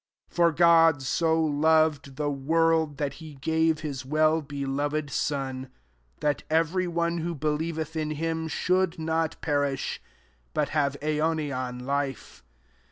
'' 16 For God so loved the world, that he gave his well beioved Sod, % that every, one who believeth in him shouldnot perish, but have aionian life.